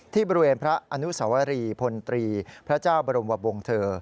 ที่บริเวณพระอนุสวรีพลตรีพระเจ้าบรมวงเถอร์